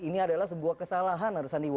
ini adalah sebuah kesalahan